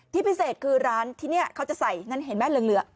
พิเศษคือร้านที่นี่เขาจะใส่นั่นเห็นไหมเหลือง